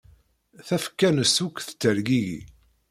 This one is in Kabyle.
Tafekka-nnes akk tettergigi.